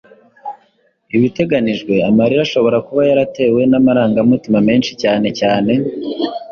ibiteganijwe amarira ashobora kuba yaratewe namarangamutima menshicyane cyane